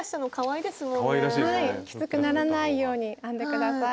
きつくならないように編んで下さい。